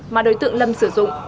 mà đối tượng lâm sử dụng